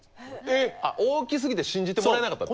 えっ大きすぎて信じてもらえなかった？